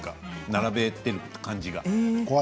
並べている感じが。